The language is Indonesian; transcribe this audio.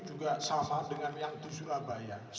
juga sama dengan yang di surabaya